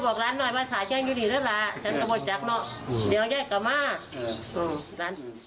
พอรู้เรื่องก็สั่งการให้พันโทประสานแสงสว่าง